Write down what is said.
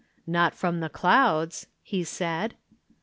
"Not from the clouds," he said.